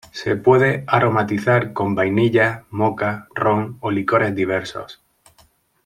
Se puede aromatizar con vainilla, moka, ron o licores diversos.